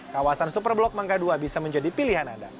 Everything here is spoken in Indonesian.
kawasan superblok mangga ii bisa menjadi pilihan anda